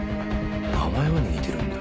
名前まで似てるんだ。